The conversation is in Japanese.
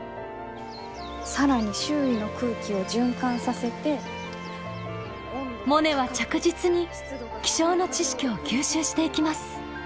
「更に周囲の空気の循環させて」。モネは着実に気象の知識を吸収していきます。